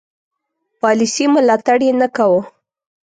پالیسي ملاتړ یې نه کاوه.